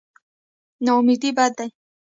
نااميدي بد دی.